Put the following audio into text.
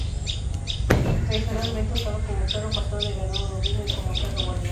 Tradicionalmente usado como perro pastor de ganado bovino y como perro guardián.